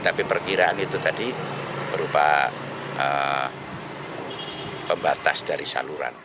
tapi perkiraan itu tadi berupa